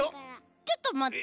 ちょっとまって。